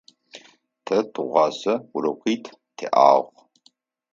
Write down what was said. Тэ тыгъуасэ урокитф тиӏагъ.